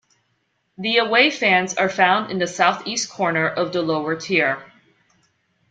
The away fans are found in the south-east corner of the lower tier.